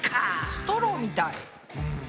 ストローみたい。